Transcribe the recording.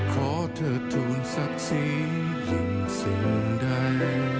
ขอเธอทูลศักดิ์สียิ่งสิ่งใด